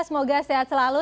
semoga sehat selalu